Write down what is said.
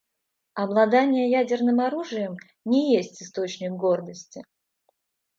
Обладание ядерным оружием не есть источник гордости.